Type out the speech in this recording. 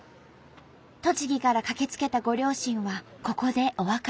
栃木から駆けつけたご両親はここでお別れです。